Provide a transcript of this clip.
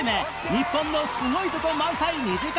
日本のすごいとこ満載２時間